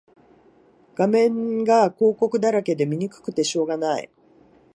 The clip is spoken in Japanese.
画面が広告だらけで見にくくてしょうがない